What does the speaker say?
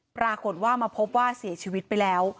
ปรากฏว่ามาพบว่าเสียชีวิตไปแล้ว